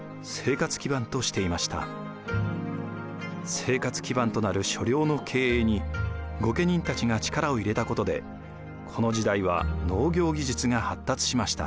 生活基盤となる所領の経営に御家人たちが力を入れたことでこの時代は農業技術が発達しました。